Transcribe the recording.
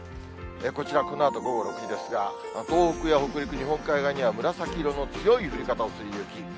こちら、このあと午後６時ですが、東北や北陸、日本海側には紫色の強い降り方をする雪。